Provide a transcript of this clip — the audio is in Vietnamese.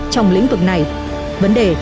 trong lĩnh vực này vấn đề